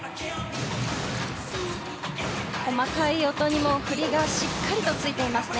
細かい音にも振りがしっかりとついていますね。